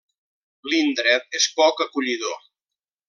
L'indret és poc acollidor.